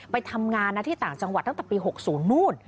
ไปทำงานนะที่ต่างจังหวัดตั้งแต่ปี๖๐นู่น